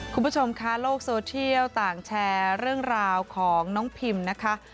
คุณผู้ชมคะโลกโซเทียลต่างแชร์เรื่องราวของน้องพิมนะคะ